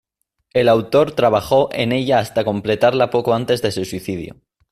El autor trabajó en ella hasta completarla poco antes de su suicidio.